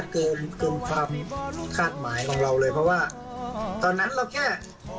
เกินคาดหมายของเราเลยเพราะว่าตอนนั้นเราแก่ขนาดเดียว